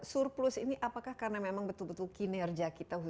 surplus ini apakah karena memang betul betul kinerja kita